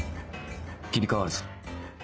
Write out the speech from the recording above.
切り替わるぞ。